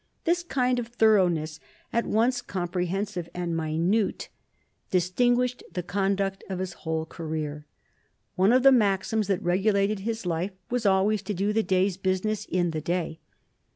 This kind of thoroughness, at once comprehensive and minute, distinguished the conduct of his whole career. One of the maxims that regulated his life was always to do the day's business in the day.